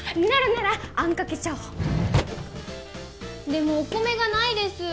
でもお米がないです！